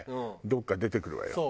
どこか出てくるわよ。